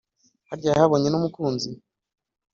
harya yahabonye n’umukunzi